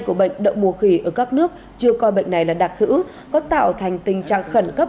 của bệnh đậu mùa khỉ ở các nước chưa coi bệnh này là đặc hữu có tạo thành tình trạng khẩn cấp